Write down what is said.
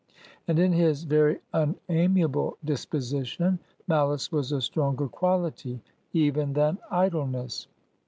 And in his very unamiable disposition malice was a stronger quality even than idleness.